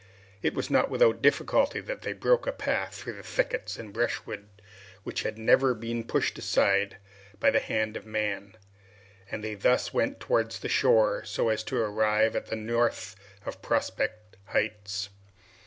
It was not without difficulty that they broke a path through the thickets and brushwood which had never been put aside by the hand of men, and they thus went towards the shore, so as to arrive at the north of Prospect Heights.